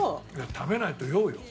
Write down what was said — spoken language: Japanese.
食べないと酔うよ。